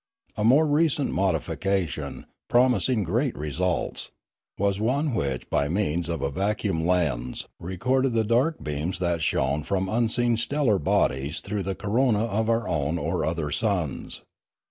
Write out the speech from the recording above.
A more recent modification, promising great results, was one which by means of a vacuum lens recorded the dark beams that shone from unseen stellar bodies through the corona of our own or other suns.